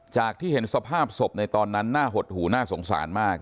ที่เห็นสภาพศพในตอนนั้นน่าหดหูน่าสงสารมาก